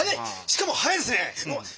しかも早いですね！